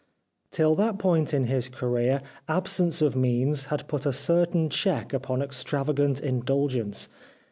Till that point in his career absence of means had put a certain check upon extra vagant indulgence.